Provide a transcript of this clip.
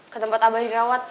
ke tempat abah dirawat